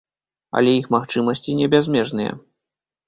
Але іх магчымасці не бязмежныя.